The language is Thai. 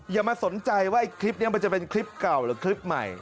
อย่ามาสนใจว่าไอ้คลิปนี้มันจะเป็นคลิปเก่าหรือคลิปใหม่